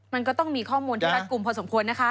มันก็ต้องมีข้อมูลที่รัฐกลุ่มพอสมควรนะคะ